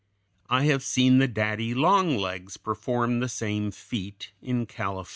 I have seen the daddy longlegs perform the same feat in California.